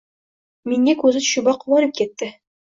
Menga ko’zi tushiboq quvonib ketdi.